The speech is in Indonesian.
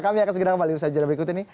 kami akan segera kembali bersajar berikut ini